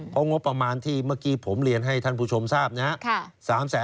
เพราะงบประมาณที่เมื่อกี้ผมเรียนให้ท่านผู้ชมทราบนะครับ